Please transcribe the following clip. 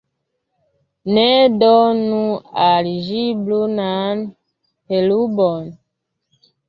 Ne donu al ĝi brunan herbon.